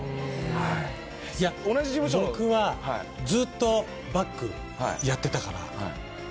いや僕はずっとバックやってたから。